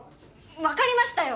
分かりましたよ